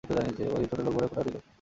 গরীব, ছোটলোক বলে খোটা দিল।